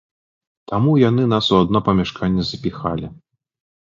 Таму яны нас у адно памяшканне запіхалі.